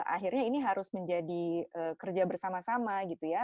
akhirnya ini harus menjadi kerja bersama sama gitu ya